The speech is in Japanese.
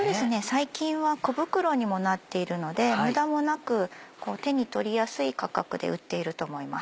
最近は小袋にもなっているので無駄もなく手に取りやすい価格で売っていると思います。